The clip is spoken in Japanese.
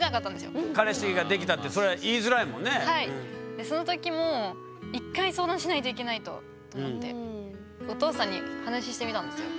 でその時も１回相談しないといけないとと思ってお父さんに話してみたんですよ。